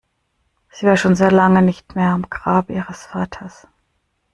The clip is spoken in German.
Sie war schon sehr lange nicht mehr am Grab ihres Vaters.